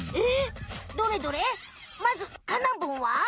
どれどれまずカナブンは？